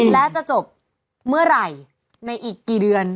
และจะจบเมื่อไหร่ในอีกกี่เดือน